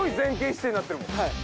はい。